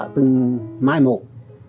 từng mai một